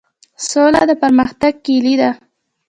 سوله د پرمختګ کیلي ده؟